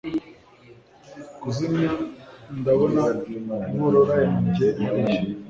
kuzimya Ndabona inkokora yanjye hariya